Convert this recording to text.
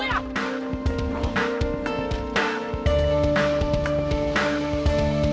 aduh kamu gak kenapa kenapa sayang